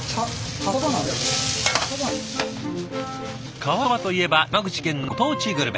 瓦そばといえば山口県のご当地グルメ。